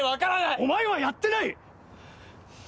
お前はやってない！